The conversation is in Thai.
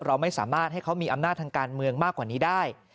เราไม่สามารถให้เขามีอำนาจทางการเมืองมากกว่านี้ได้